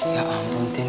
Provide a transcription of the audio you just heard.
ya ampun tin